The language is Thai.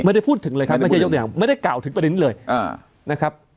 ไม่ได้พูดถึงเลยครับไม่ใช่ยกตัวอย่างไม่ได้กล่าวถึงประเด็นนี้เลยนะครับ